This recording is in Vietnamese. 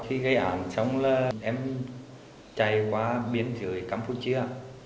thì gây ảnh xong là em chạy qua biên giới campuchia